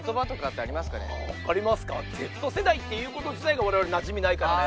Ｚ世代っていうこと自体が我々なじみないからね